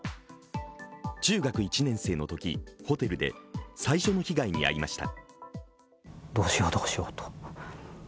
中学１年生のときホテルで最初の被害に遭いました。